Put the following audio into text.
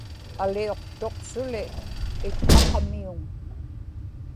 aliuqtuq-suli itqaqamiuŋ